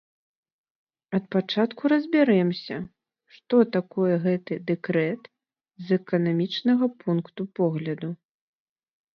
Ад пачатку разбярэмся, што такое гэты дэкрэт з эканамічнага пункту погляду.